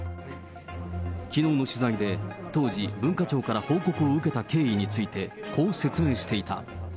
きのうの取材で、当時、文化庁から報告を受けた経緯について、こう説明していた。